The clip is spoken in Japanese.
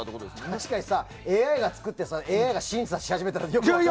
確かにさ、ＡＩが作って審査し始めたら。